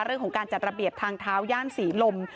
เรื่องของการจัดระเบียบทางเท้าย่านศรีลม